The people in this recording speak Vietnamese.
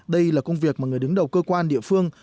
đây là công việc mà người đứng đầu cơ quan địa phương